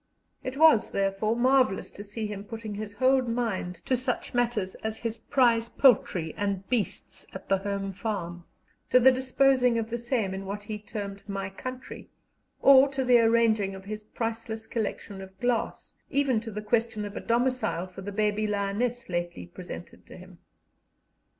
It was, therefore, marvellous to see him putting his whole mind to such matters as his prize poultry and beasts at the home farm, to the disposing of the same in what he termed "my country," or to the arranging of his priceless collection of glass even to the question of a domicile for the baby lioness lately presented to him.